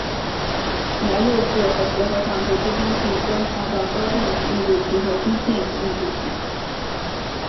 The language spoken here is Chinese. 牙釉质和结合上皮之间可以观察到高电子密度区和低电子密度区。